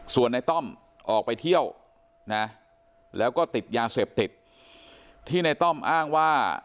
ส่วนในต้อมออกไปเที่ยวนะแล้วก็ติดยาเสพติดที่ในต้อมอ้างว่า